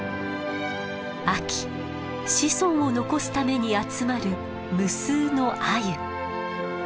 秋子孫を残すために集まる無数のアユ。